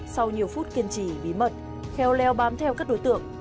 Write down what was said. sau nhiều phút kiên trì bí mật kheo leo bám theo các đối tượng